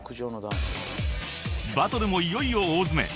［バトルもいよいよ大詰め］